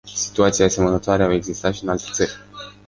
Situații asemănătoare au existat și în alte țări.